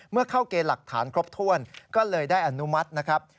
เข้าเกณฑ์หลักฐานครบถ้วนก็เลยได้อนุมัตินะครับ